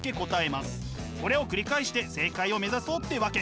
これを繰り返して正解を目指そうってわけ。